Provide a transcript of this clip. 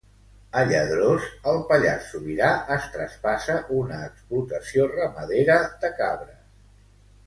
A Lladrós, al Pallars Sobirà es traspassa una explotació ramadera de cabres.